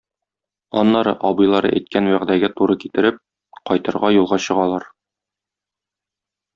Аннары, абыйлары әйткән вәгъдәгә туры китереп, кайтырга юлга чыгалар.